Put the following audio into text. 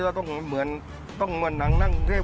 แล้วก็ต้องเหมือนหนังหรือเกมเทพ